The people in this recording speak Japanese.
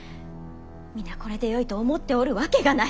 皆これでよいと思っておるわけがない！